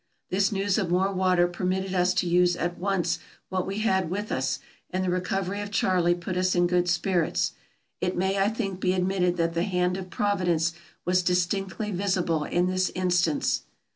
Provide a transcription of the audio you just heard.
This news of more water permitted us to use at once what we had with us, and the recovery of Charley put us in good spirits. It may, I think, be admitted that the hand of Providence was distinctly visible in this instance.